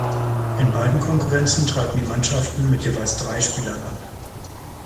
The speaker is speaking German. In beiden Konkurrenzen traten die Mannschaften mit jeweils drei Spielern an.